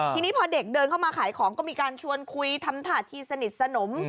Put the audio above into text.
ทีนี้พอเด็กเดินเข้ามาขายของก็มีการชวนคุยทำท่าทีสนิทสนม